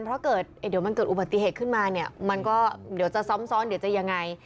เพราะเดี๋ยวมันเกิดอุบัติเหตุขึ้นมาเนี่ยมันก็เดี๋ยวจะซ้อมซ้อนเดี๋ยวจะยังไง